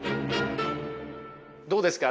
どうですか？